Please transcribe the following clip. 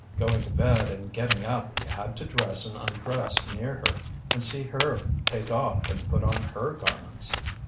Going to bed and getting up he had to dress and undress near her, and see her take off and put on her garments.